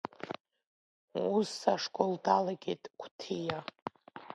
Ус ашкол далгеит Қәҭиа.